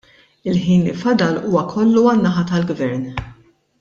Il-ħin li fadal huwa kollu għan-naħa tal-Gvern.